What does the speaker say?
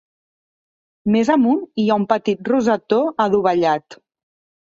Més amunt hi ha un petit rosetó adovellat.